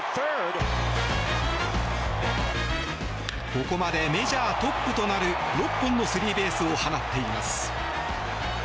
ここまでメジャートップとなる６本のスリーベースを放っています。